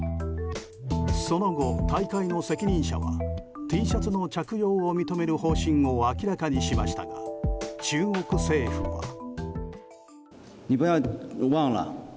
その後、大会の責任者はＴシャツの着用を認める方針を明らかにしましたが中国政府は。